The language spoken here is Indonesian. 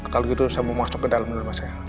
kalo gitu saya mau masuk ke dalam dulu mas ya